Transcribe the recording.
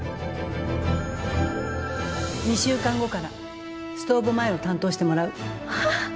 ２週間後からストーブ前を担当してもらう。